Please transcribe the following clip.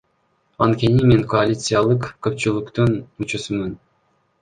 Анткени мен коалициялык көпчүлүктүн мүчөсүмүн.